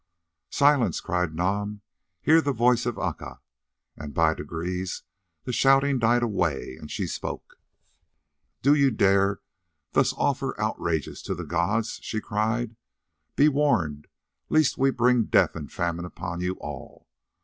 "Silence!" cried Nam, "hear the voice of Aca;" and by degrees the shouting died away, and she spoke. "Do ye dare thus to offer outrages to the gods?" she cried. "Be warned lest we bring death and famine upon you all.